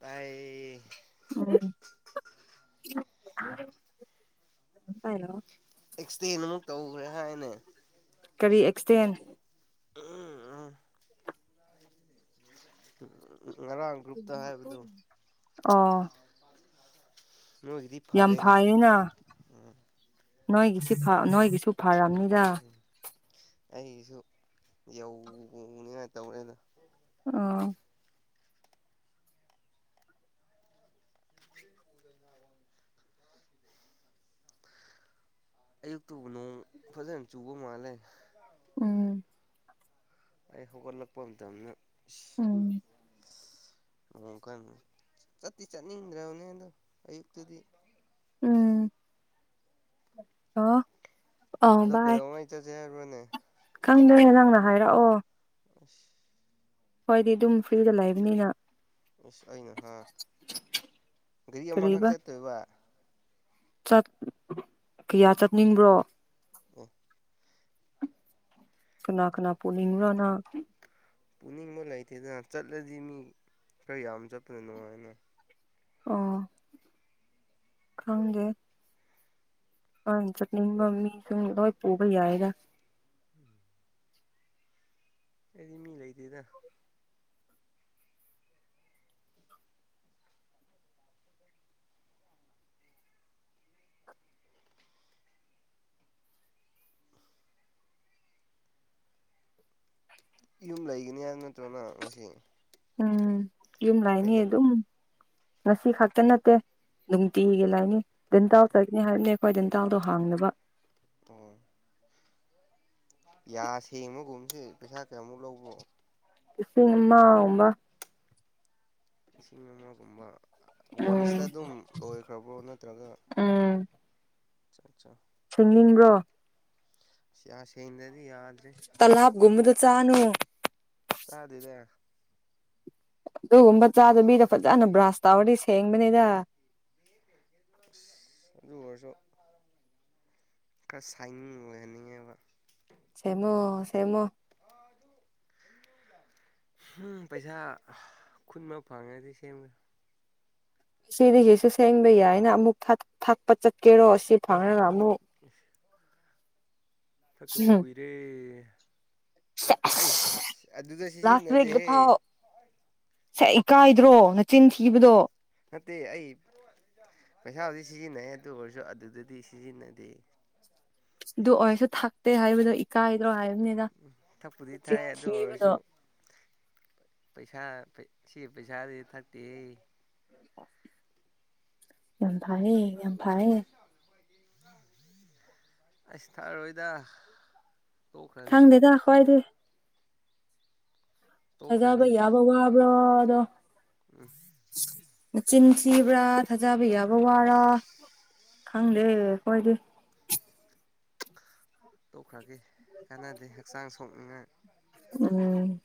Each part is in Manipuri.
ꯇꯥꯏꯌꯦ ꯎꯝ ꯍꯂꯣ ꯑꯦꯛꯁꯇꯦꯟ ꯑꯃꯨꯛ ꯇꯧꯈ꯭ꯔꯦ ꯍꯥꯏꯅꯦ ꯀꯔꯤ ꯑꯦꯛꯁꯗꯦꯟ ꯎꯝ ꯎꯝ ꯑ ꯑꯥ ꯅꯣꯏꯒꯤꯗꯤ ꯐꯔꯦꯅ ꯐꯩꯌꯦꯅ ꯎ ꯅꯣꯏꯒꯤꯁꯤ ꯅꯣꯏꯒꯤꯁꯨ ꯐꯔꯕꯅꯤꯗ ꯑꯩꯁꯨ ꯌꯧꯅꯤꯉꯥꯏ ꯇꯧꯔꯦꯅ ꯑ ꯑꯌꯨꯛꯇꯨꯕꯨ ꯅꯣꯡ ꯐꯖꯅ ꯆꯨꯕ ꯃꯥꯜꯂꯦ ꯎꯝ ꯑꯩ ꯍꯧꯒꯠꯂꯛꯄ ꯃꯇꯝꯗ ꯑ ꯎ ꯀꯩꯅ ꯆꯠꯇꯠꯇꯤ ꯆꯠꯅꯤꯡꯗ꯭ꯔꯕꯅꯦ ꯑꯗꯣ ꯑꯌꯨꯛꯇꯨꯗꯤ ꯎꯝ ꯍ ꯑꯗꯣ ꯀꯩꯗꯧꯕ ꯃꯉ ꯑꯩ ꯆꯠꯁꯦ ꯍꯥꯏꯔ ꯃꯅꯦ ꯈꯪꯗꯣꯏꯅꯦ ꯅꯪꯅ ꯍꯥꯏꯔꯛꯑꯣ ꯑ ꯍꯣꯏꯗꯤ ꯑꯗꯨꯝ ꯐ꯭ꯔꯤꯗ ꯂꯩꯥꯛꯏꯕꯅꯤꯅ ꯏꯁꯁ ꯑꯩꯅꯣ ꯍꯥ ꯒꯥꯔꯤ ꯑꯃꯈꯛ ꯀꯔꯤꯕ ꯆꯠꯇꯣꯏꯕ ꯀꯌꯥ ꯆꯠꯅꯤꯡꯕ꯭ꯔꯣ ꯑ ꯀꯅꯥ ꯀꯅꯥ ꯄꯣꯅꯤꯅꯤ ꯂꯅꯥ ꯄꯨꯅꯤꯡꯕ ꯂꯩꯇꯦꯗꯅ ꯆꯠꯂꯗꯤ ꯃꯤ ꯈꯔ ꯌꯥꯝ ꯆꯠꯄꯗꯅꯣ ꯍꯥꯏꯅ ꯑ ꯈꯪꯒꯦ ꯑ ꯆꯠꯅꯤ ꯃꯃꯤ ꯁꯄꯣꯕ ꯌꯥꯏꯗ ꯑꯩꯗꯤ ꯃꯤ ꯂꯩꯇ‌ꯦꯗ ꯌꯨꯝ ꯂꯩꯒꯅꯤ ꯍꯥꯏꯕ ꯅꯠꯇ꯭ꯔꯣ ꯃꯥ ꯉꯁꯤ ꯎꯝ ꯌꯨꯝ ꯂꯩꯅꯤ ꯑꯩꯅ ꯑꯗꯨꯝ ꯉꯁꯤ ꯈꯛꯇ ꯅꯠꯇꯦ ꯅꯨꯡꯇꯤꯒꯤ ꯂꯩꯅꯤ ꯗꯦꯟꯇ‌ꯦꯜ ꯆꯠꯒꯅꯤ ꯍꯥꯏꯕꯅꯦ ꯑꯩꯈꯣꯏ ꯗꯦꯟꯇ‌ꯦꯜꯗꯣ ꯍꯥꯡꯗꯕ ꯑꯣ ꯌꯥ ꯁꯦꯡꯕ ꯒꯨꯝꯁꯦ ꯄꯩꯁꯥ ꯀꯌꯥꯃꯨꯛ ꯂꯧꯕ꯭ꯔꯣ ꯂꯤꯁꯤꯡ ꯑꯃꯒꯨꯝꯕ ꯂꯤꯁꯤꯡ ꯑꯃꯒꯨꯝꯕ ꯎꯝ ꯋꯥꯟꯁꯇ ꯑꯗꯨꯝ ꯂꯣꯏꯈ꯭ꯔꯕ꯭ꯔꯣ ꯅꯠꯇ꯭ꯔꯒ ꯎꯝ ꯆꯥ ꯆꯥ ꯈꯪꯅꯤꯡꯕ꯭ꯔꯣ [unintelligible] ꯁꯤ ꯌꯥ ꯁꯦꯡꯗꯔꯗꯤ [unintelligible] ꯇꯂꯞ ꯒꯨꯝꯕꯗꯨ ꯆꯥꯅꯨ ꯆꯥꯗꯦꯗ ꯑꯗꯨꯒꯨꯝꯕ ꯆꯥꯗꯕꯤꯗ ꯐꯖꯅ ꯕꯔꯁ ꯇꯧꯔꯗꯤ ꯁꯦꯡꯕꯅꯤꯗ ꯑꯗꯨ ꯑꯣꯏꯔꯁꯨ ꯈꯔ ꯁꯥꯏꯅꯤꯡ ꯑꯣꯏꯍꯟꯅꯤꯡꯉꯦꯕ ꯁꯦꯡꯉꫭ ꯁꯦꯡꯉꫭ ꯍꯨꯝ ꯄꯩꯁꯥ ꯈꯨꯟꯕ ꯐꯪꯉꯒꯗꯤ ꯁꯦꯝꯒ‌ꯦ ꯁꯤꯗꯤꯒꯤꯁꯨ ꯁꯦꯝꯕ ꯌꯥꯏꯅ ꯑꯃꯨꯛ ꯊꯛ ꯊꯛꯄ ꯆꯠꯀꯦꯔꯣ ꯁꯤ ꯐꯪꯔꯒ ꯑꯃꯨꯛ ꯑ [inaudible] ꯊꯛꯇꯕ ꯎꯝ ꯀꯨꯏꯔꯦ ꯁꯦꯁ ꯑꯩꯁ ꯑꯗꯨꯗ ꯁꯤꯖꯤꯟꯅꯗꯦꯍꯦ ꯁꯛ ꯏꯀꯥꯏꯗ꯭ꯔꯣ ꯅꯆꯤꯟ ꯊꯤꯕꯗꯣ ꯅꯠꯇꯦ ꯑꯩ ꯄꯩꯁꯥ ꯍꯧꯖꯤꯛ ꯁꯤꯖꯤꯟꯅꯩ ꯑꯗꯨ ꯑꯣꯏꯔꯁꯨ ꯑꯗꯨꯗꯗꯤ ꯁꯤꯖꯤꯟꯅꯗꯦ ꯑꯗꯨ ꯑꯣꯏꯁꯨ ꯊꯥꯛꯇꯦ ꯍꯥꯏꯕꯗꯣ ꯏꯀꯥꯏꯗ꯭ꯔꯣ ꯍꯥꯏ ꯊꯛꯄꯨꯗꯤ ꯊꯛꯏ ꯑꯗꯨ ꯑꯣꯏꯔꯁꯨ ꯄꯩꯁꯥ ꯁꯤ ꯄꯩꯁꯥꯗꯤ ꯊꯛꯇꯦꯍꯦ ꯌꯥꯝ ꯐꯥꯔ‌ꯦ ꯌꯥꯝ ꯐꯔꯦ ꯑꯩꯁ ꯊꯛꯑꯔꯣꯏꯗ ꯇꯣꯛꯈ꯭ꯔꯅꯤ ꯈꯪꯗꯦꯗ ꯑꯈꫭꯏꯗꯤ ꯇꯣꯛꯈ꯭ꯔꯅꯤ ꯊꯥꯖꯕ ꯌꯥꯕ ꯋꯥꯕ꯭ꯔꯣ ꯑꯗꯣ ꯎꯝ [unintelligible] ꯆꯤꯟ ꯊꯤꯕ꯭ꯔꯥ ꯊꯥꯖꯕ ꯌꯥꯕ ꯋꯥꯔ ꯑꯁ ꯈꯪꯗꯦ ꯑꯈꯣꯏꯗꯤ ꯇꯣꯛꯈ꯭ꯔꯒꯦ ꯀꯥꯟꯅꯗꯦ ꯍꯛꯆꯥꯡ ꯁꯣꯛꯅꯤꯡꯉꯥꯏ ꯎꯝ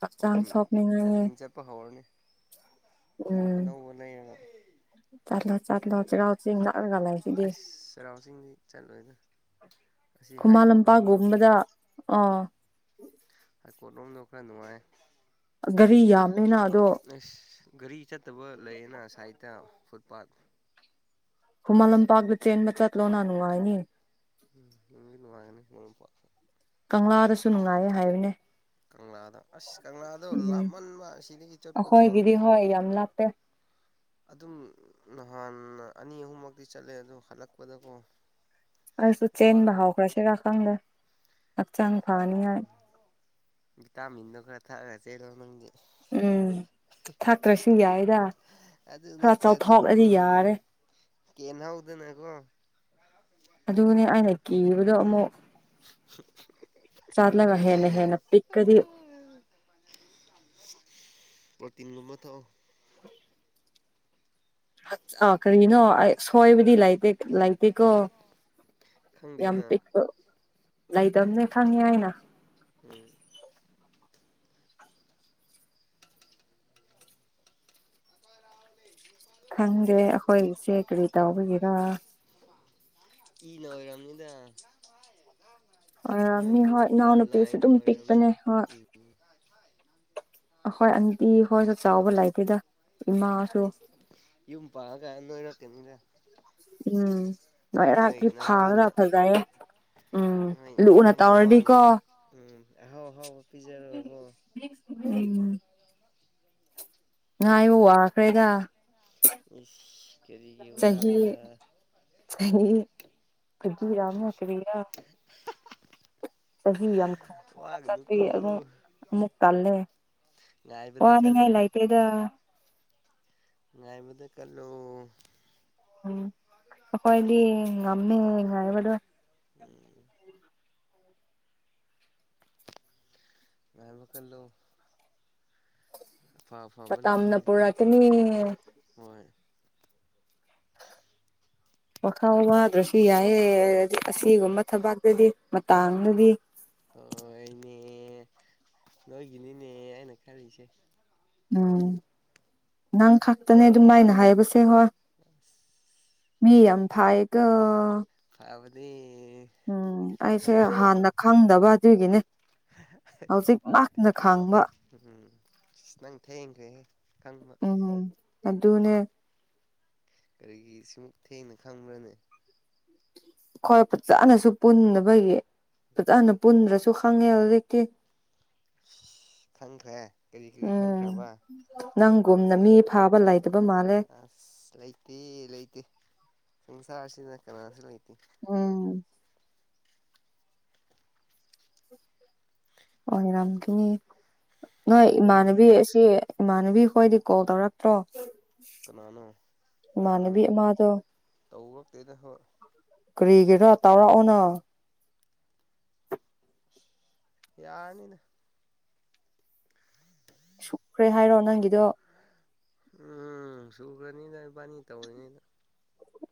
ꯍꯛꯆꯥꯡ ꯋꯥꯀꯤꯡ ꯁꯣꯛꯅꯤꯡꯉꯥꯏ ꯋꯥꯀꯤꯡ ꯆꯠꯄ ꯍꯧꯔꯅꯤ ꯈꯣꯡꯎꯞ ꯎꯝ ꯑꯅꯧꯕ ꯂꯩꯔꯒ ꯆꯠꯂꯣ ꯆꯠꯂꯣ ꯆꯩꯔꯥꯎ ꯆꯤꯡꯗ ꯑꯁ ꯆꯩꯔꯥꯎ ꯆꯤꯡꯗꯤ ꯆꯠꯂꯣꯏꯗ ꯑꯁꯤ ꯍꯥꯏ ꯈꯨꯃꯟ ꯀꯣꯔꯠ ꯂꯝꯄꯥꯛ ꯔꯣꯝꯗꯣ ꯒꯨꯝꯕꯗ ꯑꯥ ꯍꯥꯏ ꯀꯣꯔꯠꯂꯣꯝ ꯅꯥ ꯈꯔ ꯅꯨꯡꯉꯥꯏꯌ‌ꯦ ꯒꯥꯔꯤ ꯌꯥꯝꯃꯦꯅ ꯑꯗꯣ ꯒꯔꯤ ꯆꯠꯇꯕ ꯂꯩꯌꯦꯅ ꯁꯥꯏꯠꯇ ꯐꯨꯠꯄꯥꯥꯠ ꯈꯨꯃꯟ ꯂꯝꯄꯥꯛꯇ ꯆꯦꯟꯕ ꯆꯠꯂꯣꯅ ꯅꯨꯡꯉꯥꯏꯅꯤ ꯎꯝ ꯏ ꯋꯥꯅꯦꯉ ꯄ [unintelligible] ꯀꯪꯂꯥꯗꯁꯨ ꯅꯨꯡꯉꯥꯏꯌꯦ ꯍꯥꯏꯕꯅꯦ ꯀꯪꯂꯥꯗ ꯑꯁ ꯀꯪꯂꯥꯗꯣ ꯎꯝ ꯂꯥꯞꯃꯟꯕ ꯑꯁꯤꯗꯒꯤ ꯆꯠꯄꯗꯣ ꯑꯈꯣꯏꯒꯤꯗꯤ ꯍꯣꯏ ꯌꯥꯝ ꯂꯥꯞꯄꯦ ꯑꯗꯨꯝ ꯅꯍꯥꯟ ꯑꯅꯤ ꯑꯍꯨꯝꯃꯛꯇꯤ ꯆꯠꯂꯦ ꯑꯗꯣ ꯍꯜꯂꯛꯄꯗꯀꯣ ꯑꯁꯨ ꯆꯦꯟꯕ ꯋꯥꯕ ꯍꯧꯈꯔꯁꯤꯔ ꯈꯪꯗꯦ ꯍꯛꯆꯥꯡ ꯐꯅꯤꯉꯥꯏ ꯚꯤꯇꯥꯃꯤꯟꯗꯣ ꯈꯔ ꯊꯛꯑꯒ ꯆꯦꯜꯂꯣ ꯅꯪꯗꯤ ꯎꯝ ꯊꯛꯇ꯭ꯔꯁꯨ ꯌꯥꯏꯗ ꯑꯗꯨ ꯈꯔ ꯅꯠꯇ꯭ꯔꯗꯤ ꯆꯥꯎꯊꯣꯛꯑꯗꯤ ꯎꯝ ꯌꯥꯔꯦ ꯀꯦꯟꯍꯧꯗꯅꯀꯣ ꯑꯗꯨꯅꯦ ꯑꯩꯅ ꯀꯤꯕꯗꯣ ꯑꯃꯨꯛ ꯆꯠꯂꯒ ꯍꯦꯅ ꯍꯦꯅ ꯄꯤꯛ ꯀꯗꯤ ꯄꯔꯣꯇꯤꯟꯒꯨꯝꯕ ꯊꯛꯑꯣ ꯑꯥ ꯀꯔꯤꯒꯤꯅꯣ ꯑꯩ ꯁꯣꯏꯕꯗꯤ ꯂꯩꯇꯦ ꯂꯥꯏꯇꯦꯀꯣ ꯌꯥꯝ ꯈꯪꯗꯦꯅ ꯄꯤꯛꯄ ꯂꯩꯗꯝꯕꯅꯦ ꯈꯪꯉꯦ ꯍꯥꯏꯅ ꯎꯝ ꯈꯪꯗꯦ ꯑꯩꯈꯣꯏꯁꯦ ꯀꯔꯤ ꯇꯥꯎꯕꯤꯒꯔ ꯑꯗ ꯍ ꯃꯤ ꯍꯣꯏ ꯏꯅꯥꯎ ꯅꯨꯄꯤꯁꯦ ꯂꯥꯏꯟ ꯑꯗꯨꯝ ꯑꯣꯏꯔꯝꯅꯤ ꯄꯤꯛꯄꯅꯦ ꯍꯣꯏ ꯎꯝ ꯈꯣꯏ ꯑꯟꯇꯤ ꯍꯣꯏꯁꯨ ꯆꯥꯎꯕ ꯂꯩꯥꯏꯇꯦꯗ ꯏꯃꯥꯁꯨ ꯌ ꯄꯥ ꯀꯩꯅꯦꯅꯤꯗ ꯎꯝ ꯂꯣꯏꯔꯥꯛꯀꯤ ꯐꯥꯡꯒ꯭ꯔ ꯅꯋꯥꯅ ꯐꯖꯩꯌꯦꯦ ꯎꯝ ꯅꯣꯏ ꯂꯨꯅ ꯅꯣꯏ ꯅꯋꯥꯅ ꯇꯧꯔꯗꯤꯀꯣ ꯎꯝ ꯍꯥꯎ ꯍꯥꯎ ꯄꯤꯖꯔꯣ ꯎꯝ ꯉꯥꯏꯕ ꯋꯥꯈ꯭ꯔꯦꯗ ꯏꯁ ꯀꯔꯤꯒꯤ ꯑꯣꯏꯦ ꯐꯗꯤ ꯑꯔꯝ ꯍꯥ ꯀꯔꯤꯥ ꯆꯍꯤ ꯌꯥꯝ ꯊꯨ ꯊꯨꯅ ꯆꯠꯇꯦ ꯋꯥꯒꯅꯨꯀꯣ ꯑꯗꯨ ꯑꯃꯨꯛ ꯀꯜꯂꯦ ꯉꯥꯏꯕꯗ ꯀꯜꯂꯨ ꯋꯥꯅꯤꯡꯉꯥꯏꯂ ꯑꯥꯏꯇ ꯏꯗ ꯉꯥꯏ ꯃꯗꯨ ꯀꯜꯂꯣ ꯎꯝ ꯑꯈꯣꯏꯗꯤ ꯉꯝꯃꯦ ꯉꯕꯗꯨ ꯎꯝ ꯉꯥꯏ ꯃꯈ ꯀꯜꯂꯣ ꯂꯥꯛꯀꯅꯤ ꯀꯝꯅꯄꯨꯔꯇꯅꯤ ꯍꯣꯏ ꯋꯥꯈꯥ ꯋꯥꯗ꯭ꯔꯁꯨ ꯌꯥꯏꯑꯦꯗꯤ ꯑꯁꯤꯒꯨꯝꯕ ꯊꯕꯥꯛꯇꯗꯤ ꯃꯇꯥꯡꯗꯗꯤ ꯍꯣꯏꯅꯦ ꯅꯣꯏꯒꯤꯅꯤꯅꯦ ꯑꯅ ꯈꯜꯂꯤꯁꯦ ꯎꯝ ꯅꯪ ꯈꯛꯇꯅꯦ ꯑꯗꯨꯝ ꯃꯥꯏꯅ ꯍꯥꯏꯕꯁꯦ ꯍꯣꯏ ꯑꯝ ꯃꯤ ꯑꯐꯏꯒ ꯑꯗꯤ ꯎꯝ ꯑꯩꯁꯦ ꯍꯥꯟꯅ ꯈꯪꯗꯕ ꯑꯗꯨꯒꯤꯅꯦ ꯍꯧꯖꯤꯛ ꯃꯍꯥꯛꯅ ꯈꯥꯡꯕ ꯎꯝ ꯅꯪ ꯊꯌꯦꯒꯦ ꯀꯪꯃ ꯑꯗꯅꯦ ꯀꯔꯤꯒꯤ ꯁꯤꯃꯛ ꯊꯦꯡꯅ ꯈꯪꯕ꯭ꯔꯅꯦ ꯈꯣꯏ ꯐꯖꯅꯁꯨ ꯄꯨꯟꯅꯕꯒꯤ ꯐꯖꯅ ꯄꯨꯟꯗ꯭ꯔꯁꯨ ꯈꯪꯉꯦ ꯍꯧꯖꯤꯀꯤ ꯑ ꯈꯪꯈ꯭ꯔꯦ ꯀꯔꯤ ꯀꯔꯤ ꯎꯝ ꯈꯪꯈ꯭ꯔꯕ ꯅꯪꯒꯨꯝꯅ ꯃꯤ ꯐꯥꯕ ꯂꯥꯏ ꯑꯁ ꯂꯇ ꯂꯇ ꯁꯥ ꯂꯩ ꯀꯊ ꯎꯝ ꯑꯣ ꯏꯔꯝ ꯀ ꯅꯣꯏ ꯑꯣꯏꯕꯅꯦ ꯏꯃꯥꯟꯕꯤꯁꯤ ꯏꯃꯥꯟꯅꯕꯤ ꯍꯈꯣꯏꯗꯤ ꯀꯣꯜ ꯇꯧꯔꯛꯇ꯭ꯔꯣ ꯀꯅꯥꯅꯣ ꯃꯥꯅꯕꯤ ꯃꯥꯗꯣ ꯇꯧꯔꯛꯇꯣꯏꯗ ꯍꯣꯏ ꯀꯔꯤꯒꯤꯦꯔꯣ ꯇꯥꯎꯔꯥꯑꯣꯅ ꯌꯥꯅꯤꯅ ꯁꯨꯈ꯭ꯔꯦ ꯍꯥꯏꯔꯣ ꯅꯪꯒꯤꯗꯣ ꯎꯝ ꯁꯨꯈ꯭ꯔꯅꯤꯗ ꯏꯕꯥꯅꯤ ꯇꯧꯔꯤꯉꯩꯗ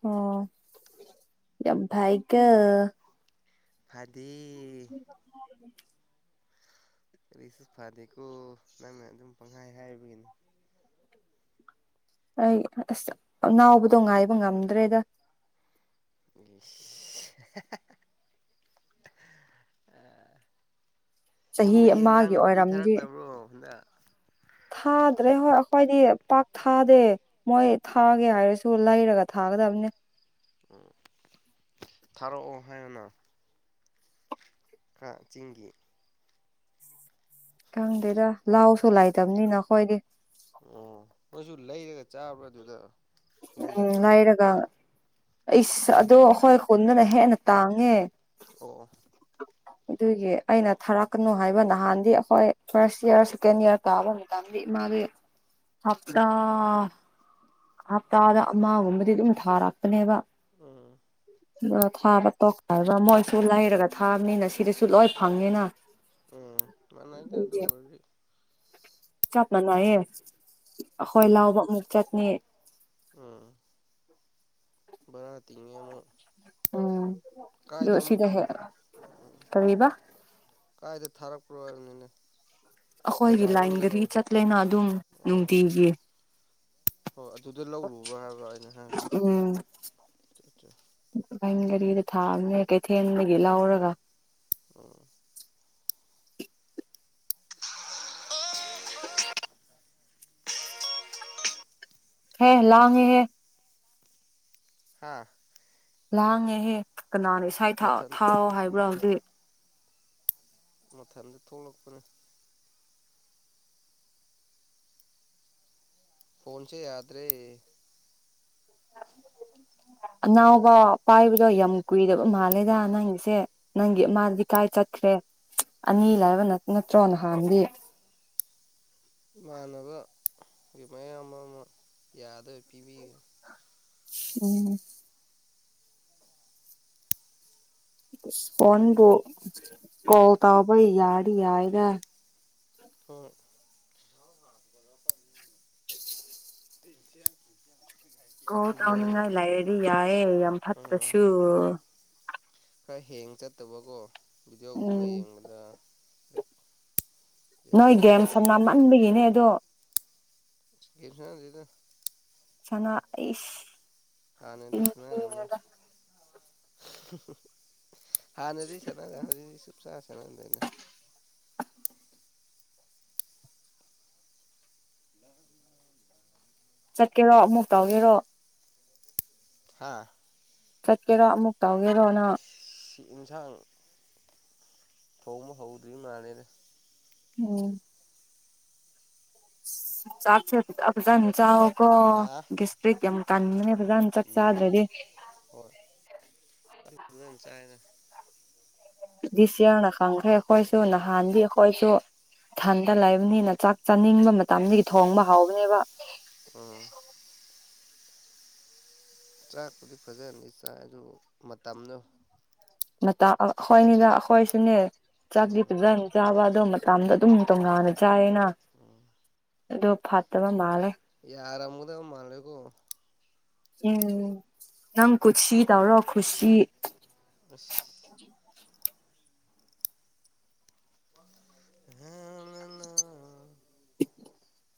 ꯑꯣ ꯌꯥꯝꯚꯏ ꯀꯣ ꯐꯗꯤ ꯁꯨ ꯐꯥꯗꯤꯀꯣ ꯅꯪꯅ ꯑꯗꯨꯝ ꯄꯪꯍꯥꯏ ꯍꯥꯏꯕꯒꯤꯅꯤ ꯑꯩ ꯑꯁ ꯑꯉꯥꯎꯕꯗꯣ ꯉꯥꯏꯕ ꯉꯝꯗ꯭ꯔꯦꯗ [inaudible] ꯑ ꯆꯍꯤ ꯌꯨꯝꯗꯒꯤ ꯑꯦꯟꯖꯥꯡ ꯑꯃꯒꯤ ꯅꯥꯄꯤ ꯑꯣꯏꯔꯝꯗꯤ ꯊꯥꯔꯛꯇꯕ꯭ꯔꯣ ꯍꯟꯗꯛ ꯊꯥꯗ꯭ꯔꯦ ꯍꯣꯏ ꯑꯩꯈꯣꯏꯗꯤ ꯄꯥꯛ ꯊꯥꯗꯦ ꯃꯣꯏ ꯊꯥꯒꯦ ꯍꯥꯏꯔꯁꯨ ꯂꯩꯔꯒ ꯊꯥ ꯊꯥꯒꯗꯕꯅꯦ ꯊꯥꯔꯛꯑꯣ ꯍꯥꯏꯔꯅ ꯈꯔ ꯆꯤꯡꯒꯤ ꯈꯪꯗꯦꯗ ꯂꯥꯎꯁꯨ ꯂꯥꯏꯇꯕꯅꯤꯅ ꯈꯣꯏꯗꯤ ꯑꯣ ꯅꯣꯏꯁꯨ ꯂꯩꯔꯒ ꯆꯥꯕ꯭ꯔꯥ ꯑꯗꯨꯗ ꯌꯨꯝꯗ ꯎꯝ ꯂꯩꯔꯒ ꯑꯩꯁ ꯑꯗꯣ ꯑꯩꯈꯣꯏ ꯈꯨꯟꯗꯅ ꯍꯦꯟꯅ ꯇꯥꯡꯉꯦ ꯑꯣ ꯑꯣ ꯑꯗꯨꯒꯤ ꯑꯩꯅ ꯊꯥꯔꯛꯀꯅꯨ ꯍꯥꯏꯕ ꯅꯍꯥꯟꯗꯤ ꯑꯩꯈꯣꯏ ꯐꯥꯔꯁ ꯏꯌꯥꯔ ꯁꯦꯀꯦꯟ ꯏꯌꯥꯔ ꯀꯥꯕ ꯃꯗꯤ ꯃꯥꯗꯤ ꯍꯥꯞꯇꯥ ꯍꯞꯇꯥꯗ ꯑꯃꯒꯨꯝꯕꯗꯤ ꯑꯗꯨꯝ ꯊꯥꯔꯛꯄꯅꯦꯕ ꯎꯝ ꯑꯗ ꯊꯥꯕ ꯇꯣꯛꯕ ꯃꯣꯏꯁꯨ ꯂꯩꯔꯒ ꯊꯥꯕꯅꯤꯅ ꯁꯤꯗꯁꯨ ꯂꯣꯏ ꯐꯪꯉꯦꯅ ꯎꯝ ꯃꯥꯟꯅꯩꯗ ꯑꯗꯨ ꯑꯗꯨꯒꯤ ꯑꯣꯏꯔꯗꯤ ꯆꯞ ꯃꯥꯟꯅꯩꯌꯦ ꯑꯈꯣꯏ ꯂꯧꯕ ꯑꯃꯨꯛ ꯆꯠꯅꯤ ꯚꯥꯔꯥ ꯇꯤꯡꯉꯦ ꯑꯃꯨꯛ ꯎꯝ ꯑꯗꯨ ꯀꯥꯏꯗ ꯑꯃꯨꯛ ꯑꯁꯤꯗ ꯊꯤꯂꯨ ꯍꯦꯛ ꯀꯔꯤꯕ ꯀꯥꯏꯗ ꯊꯔꯛ ꯑꯩꯈꯣꯏꯒꯤ ꯂꯥꯏꯟ ꯕꯖꯥꯔꯔꯣꯝꯗꯔꯣ ꯒꯔꯤ ꯆꯠꯂꯦꯅ ꯑꯗꯨꯝ ꯑꯣ ꯅꯨꯡꯇꯤꯒꯤ ꯍꯣꯏ ꯑꯗꯨꯗ ꯂꯧꯔꯨꯕ꯭ꯔꯥ ꯍꯥꯏꯕ꯭ꯔꯥ ꯑꯩꯅ ꯍꯥꯏꯕꯅꯦ ꯥꯂꯥꯏꯟ ꯒꯥꯔꯤꯗ ꯊꯥꯝꯅꯦ ꯀꯩꯊꯦꯜꯗꯒꯤ ꯂꯧꯔꯒ ꯍꯦ ꯂꯥꯡꯉꯦ ꯍꯦ ꯍꯥꯥ ꯂꯥꯡꯉꯦꯍꯦ ꯀꯅꯥꯅ ꯏꯁꯥꯏ ꯃꯊꯟ ꯊꯥꯎꯑꯣ ꯍꯥꯏꯕ꯭ꯔꯥ ꯍꯧꯖꯤꯛ ꯃꯊꯟꯗ ꯊꯣꯛꯂꯛꯄꯅꯦ ꯐꯣꯟꯁꯦ ꯌꯥꯗ꯭ꯔꯦ [inaudible] [inaudible] ꯑꯉꯥꯎꯕ ꯄꯥꯏꯕꯗꯣ ꯌꯥꯝ ꯀꯨꯏꯔꯕ ꯃꯥꯜꯂꯦꯗ ꯅꯪꯒꯤꯁꯦ ꯅꯪꯒꯤ ꯑꯃꯗꯤ ꯀꯥꯏ ꯆꯠꯈ꯭ꯔꯦ ꯑꯅꯤ ꯂꯥꯏꯕ ꯅꯠ ꯅꯠꯇ꯭ꯔꯣ ꯅꯍꯥꯟꯗꯤ [inaudible] ꯏꯃꯥꯟꯅꯕꯒꯤ ꯃꯌꯥꯝ ꯑꯃ ꯌꯥꯗꯕ ꯄꯤꯕꯤꯌꯨ ꯎꯝ ꯐꯣꯟ ꯗꯣ ꯀꯣꯜ ꯇꯕꯩ ꯌꯥꯔꯗꯤ ꯌꯥꯏꯗ ꯎꯝ [inaudible] ꯀꯣꯜ ꯕꯣꯜ ꯇꯧꯅꯤꯡꯉꯥꯏꯀ ꯂꯩꯔꯗꯤ ꯌꯥꯌꯦ ꯌꯥꯝ ꯑꯥ ꯐꯇꯁꯨꯨ ꯍꯣꯏ ꯈꯔ ꯍꯦꯡ ꯆꯠꯇꯕꯀꯣ ꯚꯤꯗꯤꯑꯣꯒꯨꯝꯕ ꯎꯝ ꯌꯦꯡꯕꯗ ꯅꯣꯏ ꯌꯥꯔꯦꯗ ꯒꯦꯝ ꯁꯝꯅꯝꯃꯟꯕꯒꯤꯅꯦ ꯑꯗꯣ ꯒꯦꯝ ꯁꯥꯟꯅꯗꯦꯗ ꯁꯅ ꯑꯩꯁ ꯍꯥꯟꯅꯗꯤ ꯆꯤꯟ ꯁꯥꯟꯅꯔꯝ ꯃꯦ ꯊꯤꯅꯨꯗ ꯍꯥꯟꯅꯗꯤ ꯁꯥꯟꯅꯔꯦ ꯍꯧꯖꯤꯛꯇꯤ ꯆꯨꯞ ꯆꯥꯞ ꯁꯥꯟꯅꯗ꯭ꯔꯦꯗ ꯆꯠꯀꯦꯔꯣ ꯑꯃꯨꯛ ꯇꯧꯒꯦꯔꯣ ꯍꯥꯥ ꯆꯠꯀꯦꯔꯣ ꯑꯃꯨꯛ ꯇꯧꯒꯦꯔꯣꯅ ꯁꯤ ꯌꯦꯟꯁꯥꯡ ꯊꯣꯡꯕ ꯍꯧꯗ꯭ꯔꯤ ꯃꯥꯂꯦꯗꯥ ꯑꯣ ꯆꯥꯛꯁ ꯆ ꯐꯖꯥꯅꯤ ꯆꯥꯛ ꯀꯣ ꯍꯥ ꯦꯁꯇꯔꯤ ꯌꯥꯝ ꯀꯥꯟꯅꯦ ꯐꯖꯅ ꯆꯠ ꯆꯗ꯭ꯔꯗꯤ ꯑꯗꯨꯗꯝ ꯆꯗ ꯁꯤꯌꯥꯅꯅꯥ ꯈꯪꯈ꯭ꯔꯥꯏꯦ ꯈꯣꯏꯁꯨ ꯎꯝ ꯅꯅꯥ ꯍꯥꯟꯗꯤꯈꯣꯏꯁꯨ ꯊꯟꯗ ꯂꯩꯕꯅꯤꯅ ꯆꯥꯛ ꯆꯥꯅꯤꯡꯕ ꯃꯇꯝꯗꯒꯤ ꯊꯣꯡꯕ ꯍꯥꯎꯕꯅꯦꯕ ꯎꯝ ꯆꯥꯛꯄꯨꯗꯤ ꯐꯖꯍꯅꯤ ꯆꯥꯛ ꯑꯗꯨ ꯃꯇꯝꯗꯣ ꯃꯇ ꯑꯩꯈꯣꯏꯅꯤꯗ ꯑꯩꯈꯣꯏꯁꯨꯅꯦ ꯆꯥꯛꯗꯤ ꯎꯝ ꯐꯖꯅ ꯆꯥꯕ ꯑꯗꯣ ꯃꯇꯗ ꯑꯗꯨꯝ ꯇꯣꯉꯥꯟꯅ ꯆꯥꯏꯌꯦꯅ ꯑꯗꯨꯣ ꯐꯠꯇꯕ ꯃꯥꯜꯂꯦ ꯌꯥꯔꯃꯨꯗ ꯃꯥꯅꯂꯦꯀꯣ ꯎꯝ ꯅꯪ ꯈꯁꯤ ꯇꯧ꯭ꯔꯣ ꯈꯨꯁꯤꯤ ꯑꯁ ꯑꯅ [inaudible]